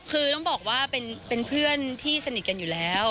คือต้องบอกว่าเป็นเพื่อนที่สนิทกันอยู่แล้ว